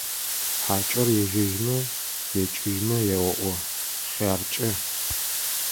ХьакӀэр ежьэжьмэ, екӀыжьымэ еоӀо: «ХъяркӀэ!».